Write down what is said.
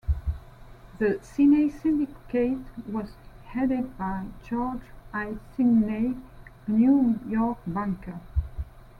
The Seney Syndicate was headed by George I. Seney, a New York banker.